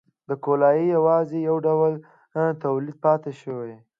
د کولالۍ یوازې یو ډول تولید پاتې شو.